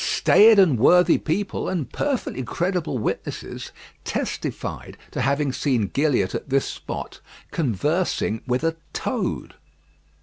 Staid and worthy people, and perfectly credible witnesses, testified to having seen Gilliatt at this spot conversing with a toad.